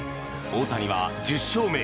大谷は１０勝目。